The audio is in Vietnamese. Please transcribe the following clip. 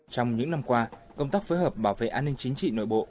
trong những năm qua công tác phối hợp bảo vệ an ninh chính trị nội bộ